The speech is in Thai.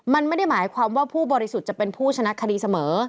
มันไม่ได้หมายความว่าผู้บริสุทธิ์จะเป็นผู้ชนะคดีเสมอ